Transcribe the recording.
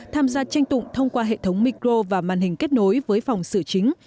tham gia tranh tụng thông qua hệ thống micro và màn hình kết nối với phòng xử chính